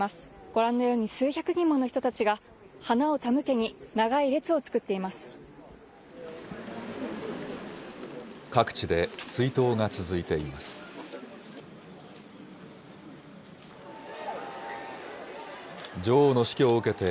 ご覧のように数百人もの人たちが、花を手向けに長い列を作っていました。